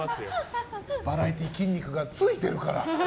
バラエティー筋肉がついてるから。